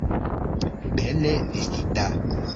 Bele vestita.